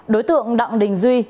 đối tượng đặng đình duy